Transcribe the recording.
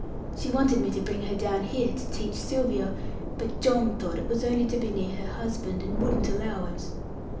She wanted me to bring her down here to teach Sylvia; but John thought that it was only to be near her husband, and wouldn't allow it."